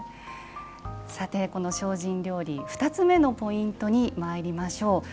精進料理２つ目のポイントにまいりましょう。